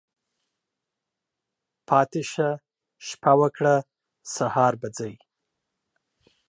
پاتی شه، شپه وکړه ، سهار به ځی.